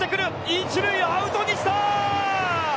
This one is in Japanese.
一塁をアウトにした！